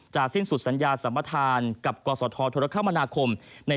จะสิ้นสุดสัญญาสมพัทธารกับกรศธธรภคม๑๙๒๑